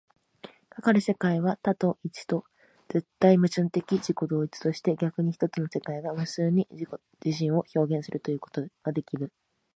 かかる世界は多と一との絶対矛盾的自己同一として、逆に一つの世界が無数に自己自身を表現するということができる。